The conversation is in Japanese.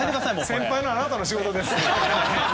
先輩のあなたの仕事です。